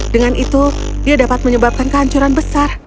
dengan itu dia dapat menyebabkan kehancuran besar